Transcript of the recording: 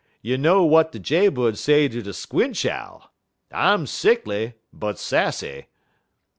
You know w'at de jay bird say ter der squinch owl! 'I'm sickly but sassy.'"